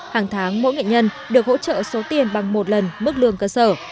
hàng tháng mỗi nghệ nhân được hỗ trợ số tiền bằng một lần mức lương cơ sở